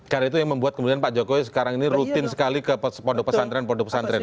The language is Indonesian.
karena itu yang membuat kemudian pak jokowi sekarang ini rutin sekali ke produk pesantren produk pesantren